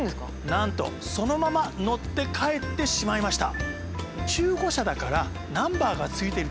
なんとそのまま乗って帰ってしまいました。